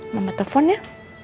mama telepon ya